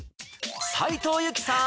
斉藤由貴さん